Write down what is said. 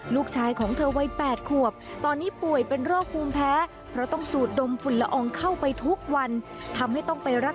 ลูกชายของเธอวัย๘ขวบตอนนี้ป่วยเป็นโรคภูมิแพ้